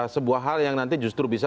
sebuah hal yang nanti justru bisa